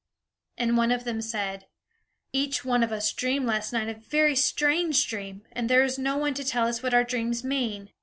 And one of them said, "Each one of us dreamed last night a very strange dream, and there is no one to tell us what our dreams mean."